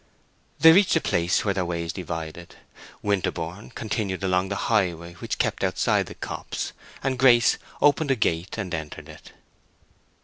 They reached a place where their ways divided. Winterborne continued along the highway which kept outside the copse, and Grace opened a gate that entered it.